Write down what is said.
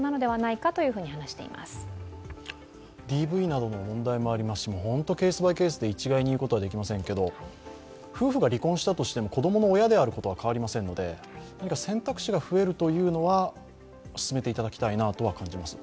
ＤＶなどの問題もありますし本当にケースバイケースで一概に言うことはできませんけど夫婦が離婚したとしても子供の親であることは変わりませんので何か選択肢が増えるというのは進めていただきたいなとは感じます。